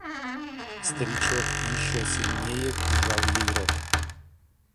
Старичок еще сильнее сжал ей рот.